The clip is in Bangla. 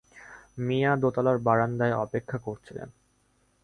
মিয়া দোতলার বারান্দায় অপেক্ষা করছিলেন।